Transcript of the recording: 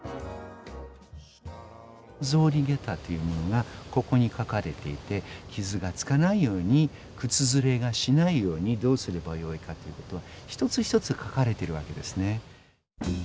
草履下駄というものがここに書かれていて傷がつかないように靴ずれがしないようにどうすれば良いかということが一つ一つ書かれてるわけですね。